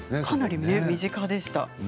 かなり身近でした。